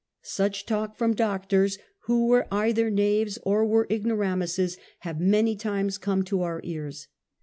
Such talk from doctors, who were either knaves or were ignoramuses, have many times come to our ears.